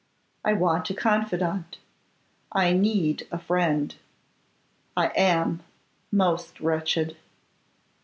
I want a confidant, I need a friend; I am most wretched.